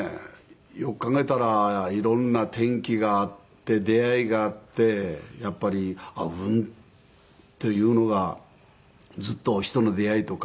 よく考えたら色んな転機があって出会いがあってやっぱり運っていうのがずっと人の出会いとか。